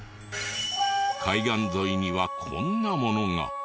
海岸沿いにはこんなものが。